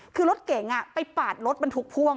คือรถเก่งนะไปปากรถมันถูกพ่วง